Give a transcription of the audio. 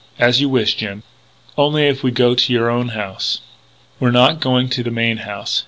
"As you wish, Jim.... Only, if we go to your own house " "We're not going to the main house.